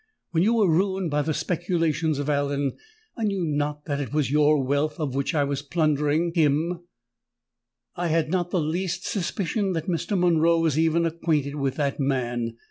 When you were ruined by the speculations of Allen, I knew not that it was your wealth of which I was plundering him: I had not the least suspicion that Mr. Monroe was even acquainted with that man!